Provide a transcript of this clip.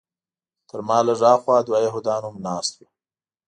تر ما لږ هاخوا دوه یهودان هم ناست وو.